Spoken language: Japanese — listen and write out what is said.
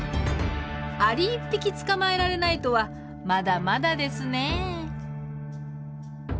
アリ１匹捕まえられないとはまだまだですね。